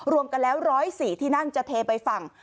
รวมกันแล้ว๑๐๔ที่นั่งจะเทไปฝั่ง